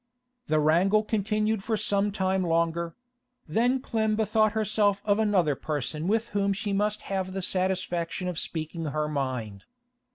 The wrangle continued for some time longer; then Clem bethought herself of another person with whom she must have the satisfaction of speaking her mind.